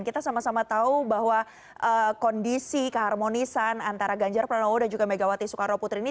kita sama sama tahu bahwa kondisi keharmonisan antara ganjar pranowo dan juga megawati soekarno putri ini